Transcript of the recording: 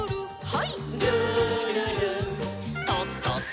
はい。